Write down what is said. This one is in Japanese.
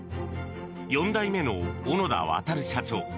４代目の小野田渉社長